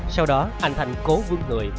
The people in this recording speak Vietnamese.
sau đó anh thành cố vương người